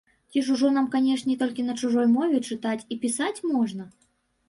Ці ж ужо нам канечне толькі на чужой мове чытаць і пісаць можна?